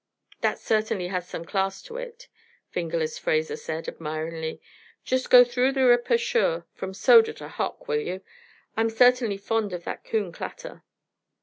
"That certainly has some class to it," "Fingerless" Fraser said, admiringly. "Just go through the reperchure from soda to hock, will you? I'm certainly fond of that coon clatter."